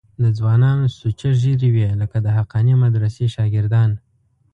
د ځوانانو سوچه ږیرې وې لکه د حقانیه مدرسې شاګردان.